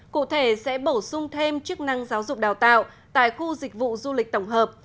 cụ thể sẽ bổ sung thêm chức năng giáo dục đào tạo tại khu dịch vụ du lịch tổng hợp